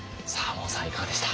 門さんいかがでした？